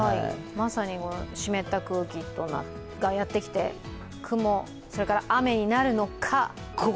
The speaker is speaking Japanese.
まさに湿った空気がやってきて、雲、それから、雨になるのか。